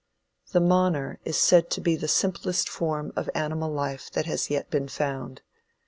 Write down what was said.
The Moner is said to be the simplest form of animal life that has yet been found.